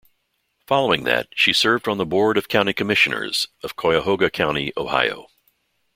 Following that, she served on the Board of County Commissioners of Cuyahoga County, Ohio.